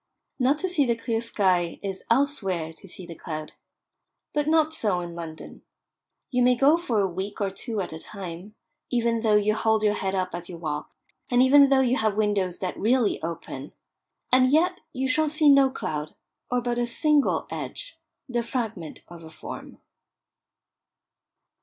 Not to see the clear sky is, elsewhere, to see the cloud. But not so in London. You may go for a week or two at a time, even though you hold your head up as you walk, and even though you have windows that really open, and yet you shall see no cloud, or but a single edge, the fragment of a form.